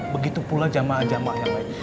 begitu pula jamaah jamaah yang lain